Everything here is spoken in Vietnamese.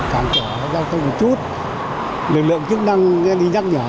cảnh giảm giao thông một chút lực lượng chức năng đi nhắc nhở